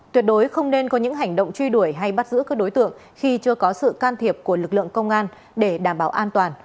tuyệt đối không nên có những hành động truy đuổi hay bắt giữ các đối tượng khi chưa có sự can thiệp của lực lượng công an để đảm bảo an toàn